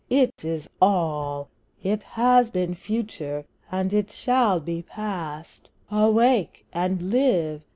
it is |ALL|; It has been Future, and it shall be Past; Awake and live!